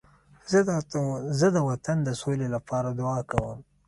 زه د وطن د سولې لپاره دعا کوم.